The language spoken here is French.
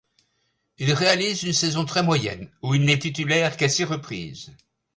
Il réalise une saison très moyenne où il n'est titulaire qu'à six reprises.